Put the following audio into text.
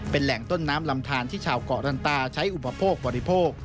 เป็นแหล่งต้นน้ำลำทานที่ชาวเกาะรันตาใช้อุปโภคบริโภค